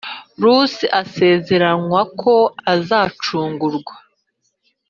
Rusi asezeranywa ko azacungurwa